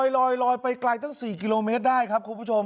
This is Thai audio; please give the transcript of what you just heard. ลอยไปไกลตั้ง๔กิโลเมตรได้ครับคุณผู้ชม